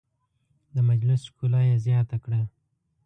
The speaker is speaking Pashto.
د مجلس ښکلا یې زیاته کړه.